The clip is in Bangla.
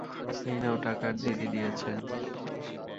এই নাও টাকা, দিদি দিয়েছেন।